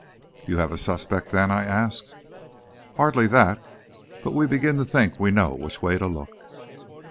"You have a suspect, then?" I asked. "Hardly that, but we begin to think we know which way to look."